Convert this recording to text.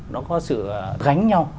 nó có sự gánh nhau